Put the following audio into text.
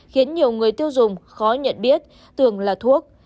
khiến nhiều người tiêu dùng khó nhận biết tường là thuốc